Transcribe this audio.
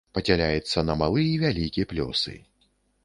Падзяляецца на малы і вялікі плёсы.